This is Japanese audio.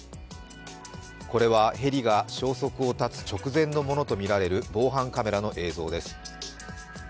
これはヘリが消息を絶つ直前のものとみられる防犯カメラの映像です。